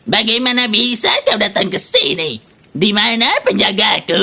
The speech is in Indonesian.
bagaimana bisa kau datang ke sini di mana penjagaku